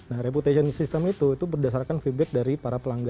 nah reputation system itu berdasarkan feedback dari para pelanggan